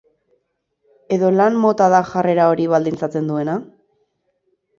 Edo lan mota da jarrera hori baldintzatzen duena?